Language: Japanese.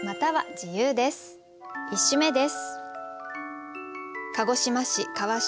１首目です。